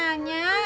tinggal diisi aja